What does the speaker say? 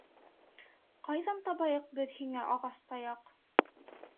Ҡайҙан табайыҡ беҙ һиңә ағас таяҡ?